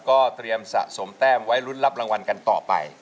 ก็เตรียมสะสมแต้มไว้ลุ้นรับรางวัลกันต่อไป